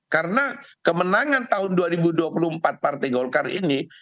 karena kemenangan tahun dua ribu dua puluh empat partai golkar ini